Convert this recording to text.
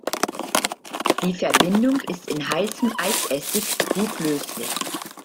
Die Verbindung ist in heißem Eisessig gut löslich.